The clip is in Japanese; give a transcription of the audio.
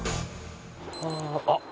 あっ！